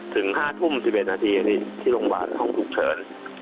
ถึง๕ทุ่ม๑๑นาทีที่โรงพยาบาลห้องฉุกเฉิน